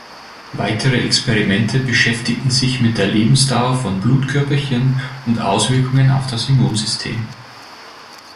Weitere Experimente beschäftigten sich mit der Lebensdauer von Blutkörperchen und Auswirkungen auf das Immunsystem.